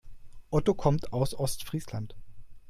Otto kommt aus Ostfriesland.